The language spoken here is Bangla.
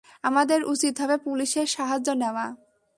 আমাদের উচিৎ হবে পুলিশের সাহায্য নেওয়া।